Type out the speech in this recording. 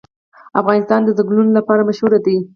افغانستان د ځنګلونه لپاره مشهور دی.